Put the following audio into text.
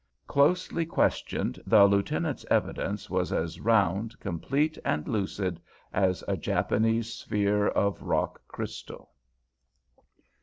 Closely questioned, the Lieutenant's evidence was as round, complete, and lucid as a Japanese sphere of rock crystal.